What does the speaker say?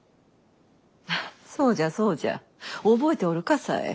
ハッそうじゃそうじゃ覚えておるか紗江？